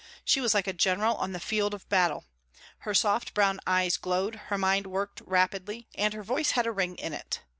She was like a general on the field of battle. Her soft brown eyes glowed, her mind worked rapidly, and her voice had a ring in it.